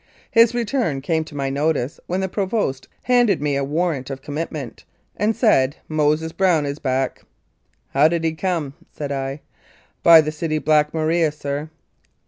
His return came to my notice when the Provost handed me a warrant of commitment, and said, " Moses Brown is back." "How did he come?" said I. "By the City Black Maria, sir."